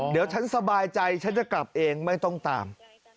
เดี๋ยวฉันสบายใจฉันจะกลับเองไม่ต้องตาม